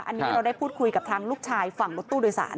อันนี้เราได้พูดคุยกับทางลูกชายฝั่งรถตู้โดยสาร